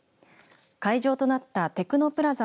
会場となったテクノプラザ